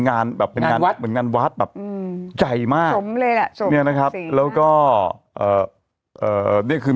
งานแบบเหมือนงานวัดเหมือนงานวัดแบบใหญ่มากแล้วก็นี่คือ